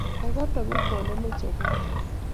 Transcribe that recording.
Agatha ko kwondo ne chobot